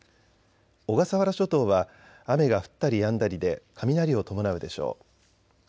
小笠原諸島は雨が降ったりやんだりで雷を伴うでしょう。